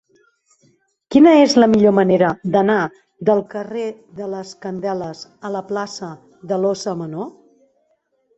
Quina és la millor manera d'anar del carrer de les Candeles a la plaça de l'Óssa Menor?